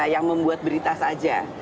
yang membuat berita saja